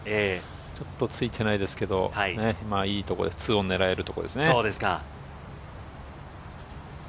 ちょっとついてないですが、いいところで、２オンを狙えるところです。